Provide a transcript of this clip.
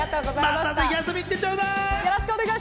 またぜひ遊びに来てちょうだい。